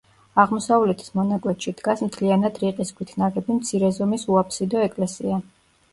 აღმოსავლეთის მონაკვეთში დგას მთლიანად რიყის ქვით ნაგები მცირე ზომის უაფსიდო ეკლესია.